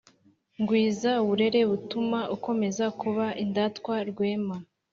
gwiza uburere butuma ukomeza kuba indatwa rwema.